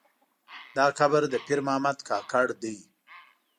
دا قبر د پیر محمد کاکړ دی.